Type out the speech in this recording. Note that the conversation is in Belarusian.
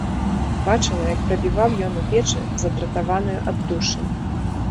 Бачыла, як прабіваў ён у печы задратаваную аддушыну.